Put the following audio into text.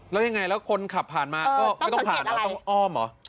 แล้วยังไงแล้วคนขับผ่านมาก็ไม่ต้องผ่านเหรอต้องอ้อมเหรอ